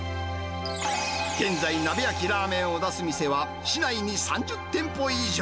現在、鍋焼きラーメンを出す店は、市内に３０店舗以上。